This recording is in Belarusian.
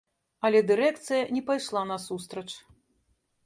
Але дырэкцыя не пайшла насустрач.